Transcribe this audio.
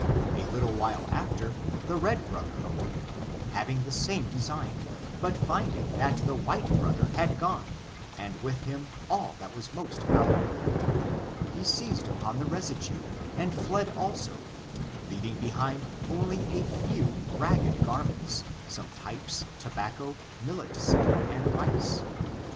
A little while after, the red brother awoke, having the same design, but finding that the white brother had gone, and with him all that was most valuable, he seized upon the residue and fled also, leaving behind only a few ragged garments, some pipes, tobacco, millet seed and rice.